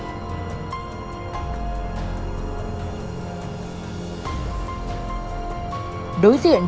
đối diện với các thành viên trong gia đình vợ tuyên